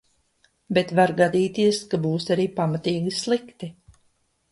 Bet var gadīties, ka būs arī pamatīgi slikti.